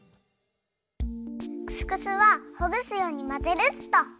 クスクスはほぐすようにまぜるっと。